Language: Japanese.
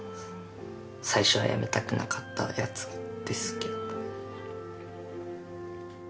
最初はやめたくなかったやつですけど。